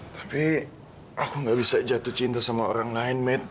tapi aku gak bisa jatuh cinta sama orang lain mat